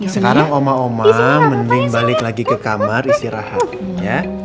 sekarang oma oma mending balik lagi ke kamar istirahat ya